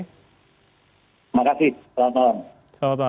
terima kasih selamat malam